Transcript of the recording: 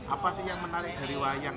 apa sih yang menarik dari wayang